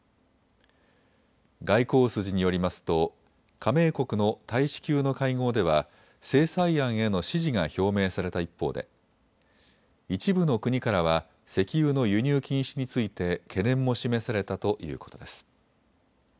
外交筋によりますと加盟国の大使級の会合では制裁案への支持が表明された一方で一部の国からは石油の輸入禁止について懸念も示されたということです。